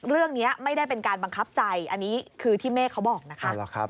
เรื่องนี้ไม่ได้เป็นการบังคับใจอันนี้คือที่เมฆเขาบอกนะคะ